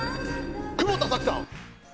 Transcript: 久保田早紀さん！